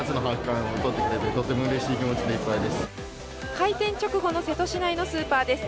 開店直後の瀬戸市内のスーパーです。